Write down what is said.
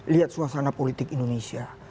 lihat suasana politik indonesia